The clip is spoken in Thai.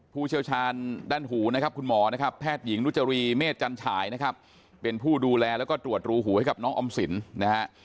ผู้เชี่ยวชาญด้านหูนะครับคุณหมอนะครับแพทย์หญิงนุจรีเมฆจันฉายนะครับเป็นผู้ดูแลแล้วก็ตรวจรูหูให้กับน้องออมสินนะฮะ